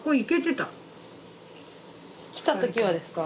来た時はですか？